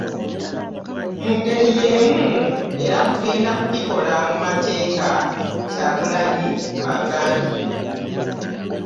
Mu ngeri y'emu era tugenda kukikola mu mateeka, Kyagulanyi bw'agambye.